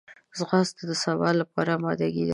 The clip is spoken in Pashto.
ځغاسته د سبا لپاره آمادګي ده